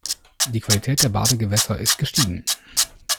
Die Qualität der Badegewässer ist gestiegen.